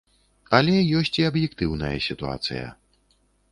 Але ёсць і аб'ектыўная сітуацыя.